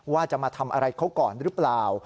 ว่าจะมาทำอะไรเขาก่อนหรือเปล่า